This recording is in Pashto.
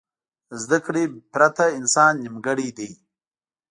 زده کړې پرته انسان نیمګړی دی.